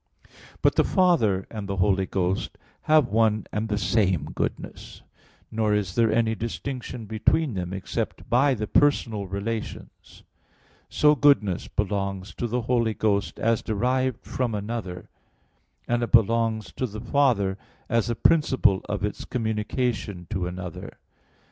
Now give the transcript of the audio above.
But the Father and the Holy Ghost have one and the same goodness. Nor is there any distinction between them except by the personal relations. So goodness belongs to the Holy Ghost, as derived from another; and it belongs to the Father, as the principle of its communication to another.